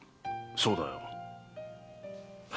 そうだよ。